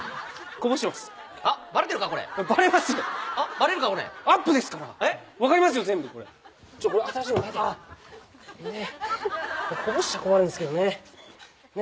こぼしちゃ困るんすけどね。